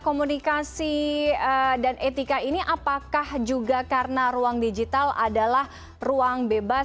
komunikasi dan etika ini apakah juga karena ruang digital adalah ruang bebas